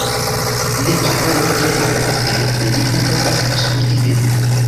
Ne parolu tre mallaŭte, neniu povas aŭskutil vin